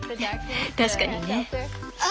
確かにね。